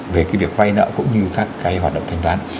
về cái việc vay nợ cũng như các cái hoạt động thanh toán